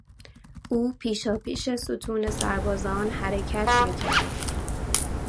او پیشاپیش ستون سربازان حرکت می کرد.